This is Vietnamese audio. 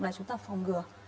là chúng ta phòng ngừa